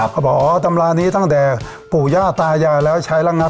ก็บอกตำรานี้ตั้งแต่ปู่ย่าตายาแล้วพอใช้ละนะ